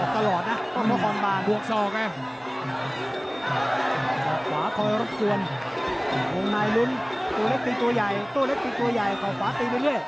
กล้องทะคอนบ้านไม่ยกแข้งซ้ายเลยนะครับ